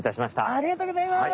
ありがとうございます。